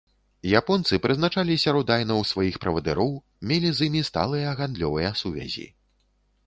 Японцы прызначалі сярод айнаў сваіх правадыроў, мелі з імі сталыя гандлёвыя сувязі.